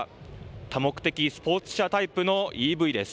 多目的スポーツ車タイプのＥＶです。